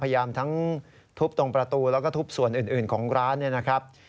พยายามทั้งทุบตรงประตูแล้วก็ทุบส่วนอื่นของร้านเนี่ยนะครับ